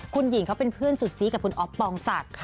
คุณหญิงเขาเป็นเพื่อนสุดซีกับคุณอ๊อฟปองศักดิ์